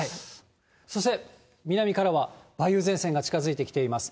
そして、南からは梅雨前線が近づいてきています。